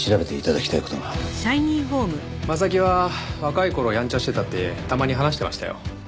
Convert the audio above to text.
征木は若い頃やんちゃしてたってたまに話してましたよ。